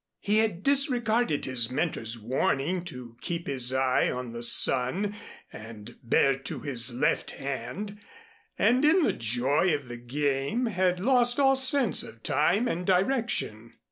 He had disregarded his mentor's warning to keep his eye on the sun and bear to his left hand, and in the joy of the game, had lost all sense of time and direction.